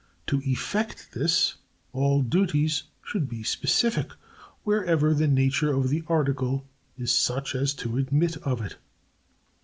To effect this all duties should be specific wherever the nature of the article is such as to admit of it.